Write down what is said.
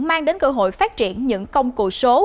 mang đến cơ hội phát triển những công cụ số